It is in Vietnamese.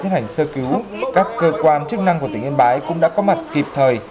trước khi lãnh đạo tiến hành sơ cứu các cơ quan chức năng của tỉnh yên bái cũng đã có mặt kịp thời